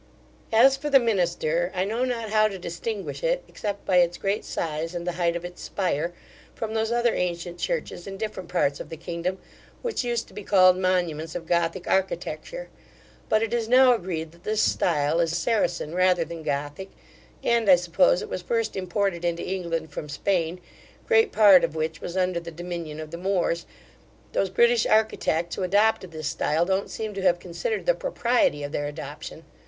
As for the Minster, I know not how to distinguish it, except by its great size and the height of its spire, from those other ancient churches in different parts of the kingdom, which used to be called monuments of Gothic architecture; but it is now agreed, that this stile is Saracen rather than Gothic; and, I suppose, it was first imported into England from Spain, great part of which was under the dominion of the Moors. Those British architects who adopted this stile, don't seem to have considered the propriety of their adoption.